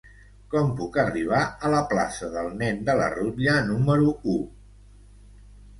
Com puc arribar a la plaça del Nen de la Rutlla número u?